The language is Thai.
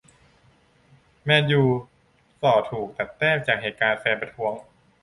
แมนยู ส่อถูก ตัดแต้ม จากเหตุการณ์แฟนประท้วง